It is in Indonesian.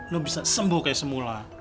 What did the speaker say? lo bisa sembuh kayak semula